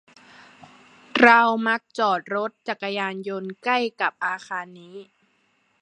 เรามักจอดรถจักรยานยนต์ใกล้กับอาคารนี้